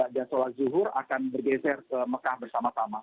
dan sholat zuhur akan bergeser ke mekah bersama sama